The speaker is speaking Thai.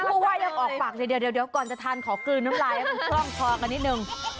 ผู้ว่ายังออกปากเลยเดี๋ยวก่อนจะทานขอกลืนน้ำลายให้มันคล่องคอกันนิดนึง